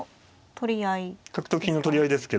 角と金の取り合いですか。